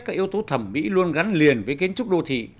các yếu tố thẩm mỹ luôn gắn liền với kiến trúc đô thị